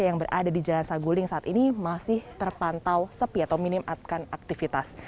yang berada di jalan saguling saat ini masih terpantau sepi atau minim akan aktivitas